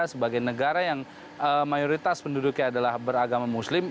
sebagai negara yang mayoritas penduduknya adalah beragama muslim